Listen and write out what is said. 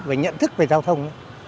với nhận thức về giao thông